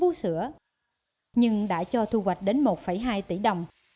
có bốn mươi sáu gốc vũ sữa nhưng đã cho thu hoạch đến một hai tỷ đồng